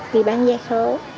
đi bán giá số